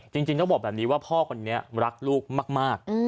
จริงต้องบอกแบบนี้ว่าพ่อคนนี้รักลูกมาก